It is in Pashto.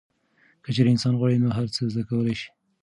که چیرې انسان غواړي نو هر څه زده کولی شي.